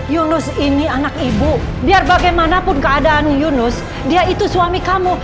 yunus ini anak ibu biar bagaimanapun keadaan yunus dia itu suami kamu